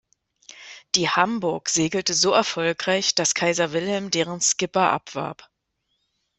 Die "Hamburg" segelte so erfolgreich, dass Kaiser Wilhelm deren Skipper abwarb.